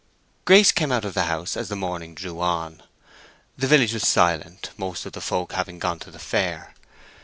Grace came out of the house as the morning drew on. The village was silent, most of the folk having gone to the fair.